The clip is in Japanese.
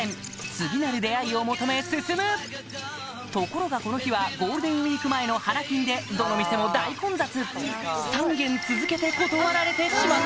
次なる出会いを求め進むところがこの日はゴールデンウイーク前の花金でどの店も大混雑